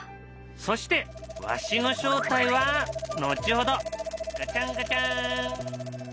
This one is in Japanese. そしてわしの正体は後ほどガチャンガチャン。